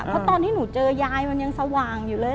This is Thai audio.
เพราะตอนที่หนูเจอยายมันยังสว่างอยู่เลย